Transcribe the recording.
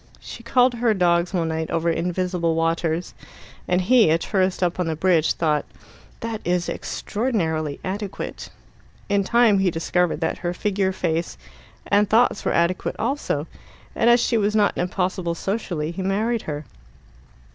She called to her dogs one night over invisible waters, and he, a tourist up on the bridge, thought "that is extraordinarily adequate." In time he discovered that her figure, face, and thoughts were adequate also, and as she was not impossible socially, he married her.